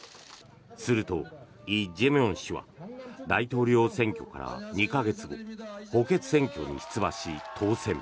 すると、イ・ジェミョン氏は大統領選挙から２か月後補欠選挙に出馬し、当選。